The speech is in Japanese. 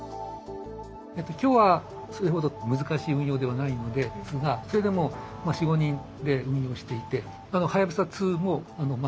今日はそれほど難しい運用ではないのですがそれでも４５人で運用していて。